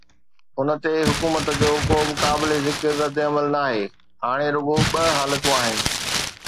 ان تي حڪومت جو ڪو به قابل ذڪر ردعمل ناهي، هاڻي رڳو ٻه حالتون آهن.